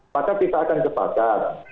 maka kita akan kebakar